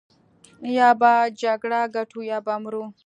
يا به جګړه ګټو يا به مرو.